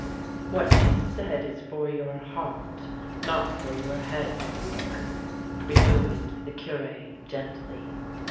" What she said is for your heart, not for your head, Luc," rejoined the Cure, gently.